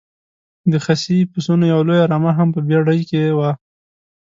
د خسي پسونو یوه لویه رمه هم په بېړۍ کې وه.